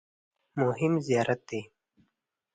مهم زیارت دی.